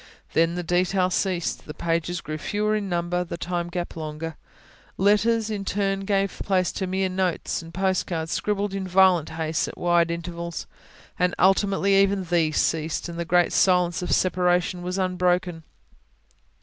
Then the detail ceased, the pages grew fewer in number, the time gap longer. Letters in turn gave place to mere notes and postcards, scribbled in violent haste, at wide intervals. And ultimately even these ceased; and the great silence of separation was unbroken.